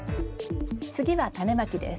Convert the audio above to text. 次はタネまきです。